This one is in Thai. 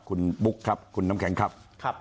คุณบุ๊คครับคุณน้ำแข็งครับ